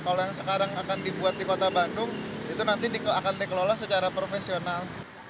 kalau yang sekarang akan dibuat di kota bandung itu nanti akan dikelola secara profesional